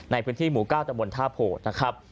ในพื้นที่หมู่๙ตะบนท่าโพนะครับ